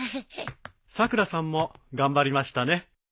さくらさんも頑張りましたね。